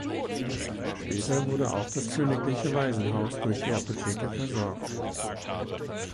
Später wurde auch das königliche Waisenhaus durch die Apotheke versorgt.